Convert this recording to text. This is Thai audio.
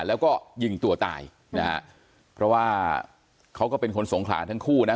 แล้วก็ยิงตัวตายนะฮะเพราะว่าเขาก็เป็นคนสงขลาทั้งคู่นะ